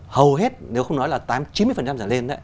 hầu hết nếu không nói là tám chín mươi trở lên